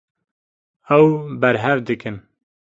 Ew berhev dikin.